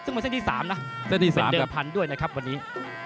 ซึ่งเป็นเส้นที่สามนะเส้นที่สามครับเป็นเดินพันธ์ด้วยนะครับวันนี้